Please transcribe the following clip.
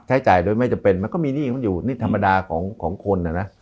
จ่ายโดยไม่จำเป็นมันก็มีหนี้มันอยู่นี่ธรรมดาของคนอ่ะนะ